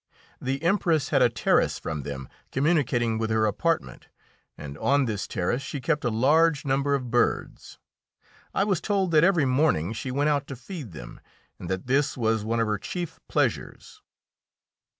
The Empress had a terrace from them communicating with her apartment, and on this terrace she kept a large number of birds. I was told that every morning she went out to feed them, and that this was one of her chief pleasures.